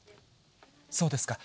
そうですか。